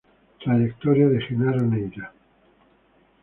Trayectoria de Genaro Neyra